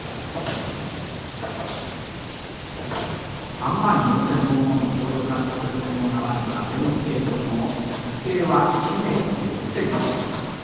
３万４，０００本もの強力な鋼鉄線を束ねたメインケーブルの直径は１メートル６センチ。